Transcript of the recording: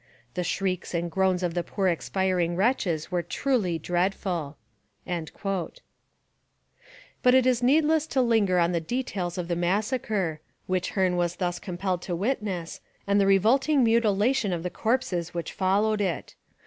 The shrieks and groans of the poor expiring wretches were truly dreadful. But it is needless to linger on the details of the massacre, which Hearne was thus compelled to witness, and the revolting mutilation of the corpses which followed it.